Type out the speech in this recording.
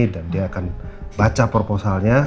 dan dia akan baca proposalnya